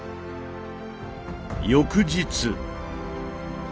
翌日。